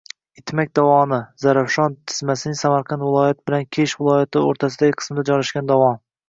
Itmak dovoni – Zarafshon tizmasining Samarqand viloyati bilan Kesh viloyati o‘rtasidagi qismida joylashgan dovon.